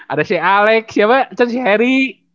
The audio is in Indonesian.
ada si alec si apa kan si harry